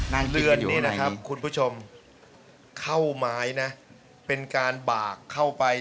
นั่งคิดอยู่ในนี้คุณผู้ชมข้าวไม้นะเป็นการบากเข้าไป